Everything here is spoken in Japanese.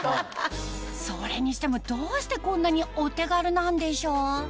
それにしてもどうしてこんなにお手軽なんでしょう？